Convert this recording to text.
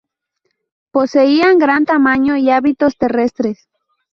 Poseían gran tamaño y hábitos terrestres.